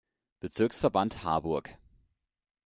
Bezirksverband Harburg.